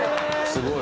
すごい。